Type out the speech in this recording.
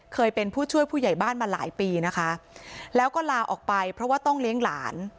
เคยเป็นผู้ช่วยผู้ใหญ่บ้านมาหลายปีนะคะแล้วก็ลาออกไปเพราะว่าต้องเลี้ยงหลาน